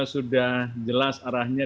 sudah jelas arahnya